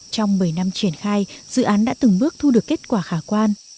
trong bảy năm triển khai dự án đã từng bước thu được kết quả khả quan